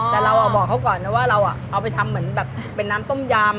แต่เราบอกเขาก่อนนะว่าเราเอาไปทำเหมือนแบบเป็นน้ำต้มยำ